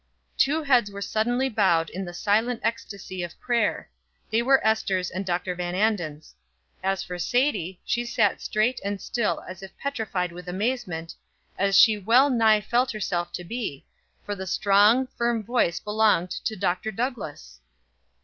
Two heads were suddenly bowed in the silent ecstasy of prayer they were Ester's and Dr. Van Anden's. As for Sadie, she sat straight and still as if petrified with amazement, as she well nigh felt herself to be, for the strong, firm voice belonged to Dr. Douglass!